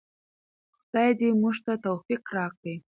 خدای دې موږ ته توفیق راکړي.